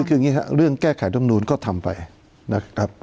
คืออย่างนี้ครับเรื่องแก้ไขรำนูนก็ทำไปนะครับ